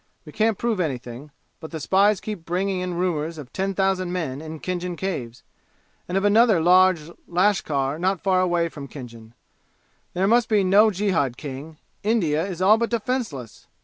We can't prove anything, but the spies keep bringing in rumors of ten thousand men in Khinjan Caves, and of another large lashkar not far away from Khinjan. There must be no jihad, King! India is all but defenseless!